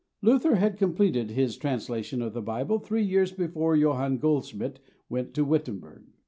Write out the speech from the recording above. Luther had completed his translation of the Bible three years before Johann Goldschmid went to Wittenberg.